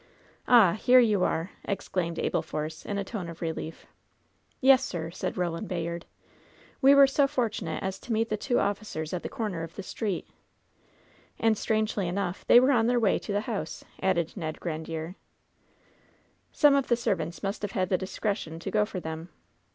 "Ah ! here you are !" exclaimed Abel Force, in a tone of relief. "Yes, sir!" said Roland Bayard, '^e were so for tunate as to meet the two officers at the comer of the street!" "And strangely enough, they were on their, way to the house," added Ned Grandiere. "Some of the servants must have had the discretion to go for them.